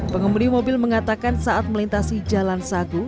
pengemudi mobil mengatakan saat melintasi jalan sagu